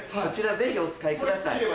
ぜひお使いください。